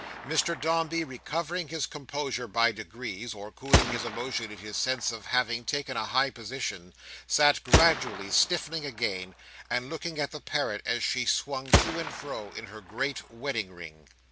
Mr Dombey, recovering his composure by degrees, or cooling his emotion in his sense of having taken a high position, sat gradually stiffening again, and looking at the parrot as she swung to and fro, in her great wedding ring.